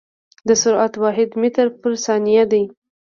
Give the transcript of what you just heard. د سرعت واحد متر پر ثانیه دی.